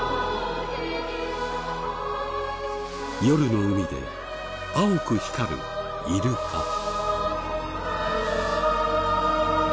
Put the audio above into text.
夜の海で青く光るイルカ。